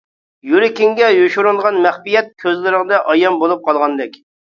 يۈرىكىڭگە يوشۇرۇنغان مەخپىيەت، كۆزلىرىڭدە ئايان بولۇپ قالغاندەك.